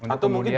atau mungkin bisa